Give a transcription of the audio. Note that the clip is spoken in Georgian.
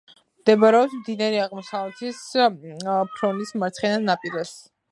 მდებარეობს მდინარე აღმოსავლეთის ფრონის მარცხენა ნაპირას.